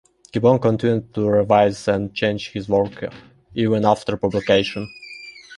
Gibbon continued to revise and change his work even after publication.